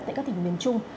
tại các tỉnh miền trung